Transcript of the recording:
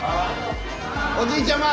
おじいちゃま。